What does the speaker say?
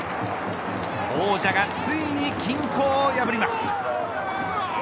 王者がついに均衡を破ります。